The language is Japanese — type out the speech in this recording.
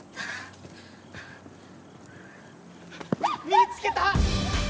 見つけた！